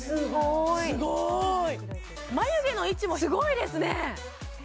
すごい眉毛の位置もすごいですね